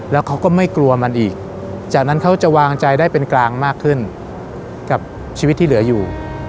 แล้วเขาก็ไม่กลัวมันอีกจากนั้นเขาจะวางใจได้เป็นกลางมากขึ้นกับชีวิตที่เหลืออยู่